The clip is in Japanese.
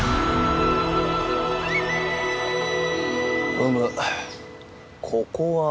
ふむここは？